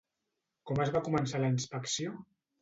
Com es va començar la inspecció?